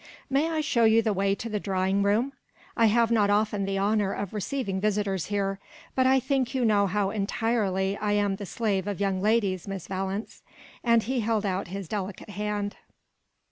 May I show you the way to the drawing room? I have not often the honour of receiving visitors here. But I think you know how entirely I am the slave of young ladies, Miss Valence." And he held out his delicate hand.